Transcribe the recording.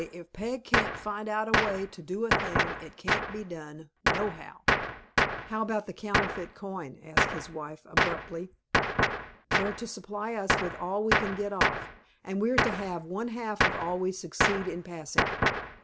I always say if Peg can't find out a way to do a thing it can't be done, no how." "How about the counterfeit coin?" asked his wife, abruptly. "They're to supply us with all we can get off, and we are to have one half of all we succeed in passing."